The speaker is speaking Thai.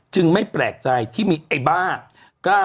ไม่แปลกใจที่มีไอ้บ้า